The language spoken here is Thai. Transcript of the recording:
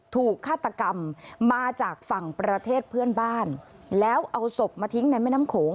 ถูกฆาตกรรมมาจากฝั่งประเทศเพื่อนบ้านแล้วเอาศพมาทิ้งในแม่น้ำโขง